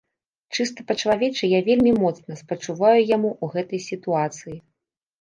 Чыста па чалавечы я вельмі моцна спачуваю яму ў гэтай сітуацыі.